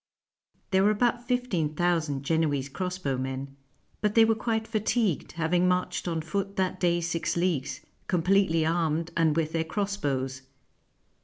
There were about fifteen thousand Genoese crossbowmen; but they were quite fatigued, having marched on foot that day six leagues, completely armed, and with their cross bows.